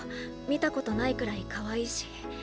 見たことないくらいかわいいし。